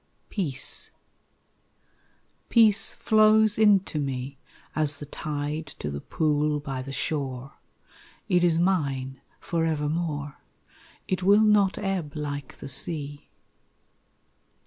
Peace Peace flows into me As the tide to the pool by the shore; It is mine forevermore, It will not ebb like the sea.